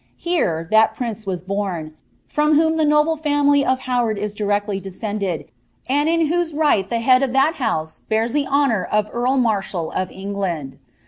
Here that prince was bom, from whom the noble family of Howard is directly descended, and in whose right the head of that house bears the honour of earl marshal of Enriand.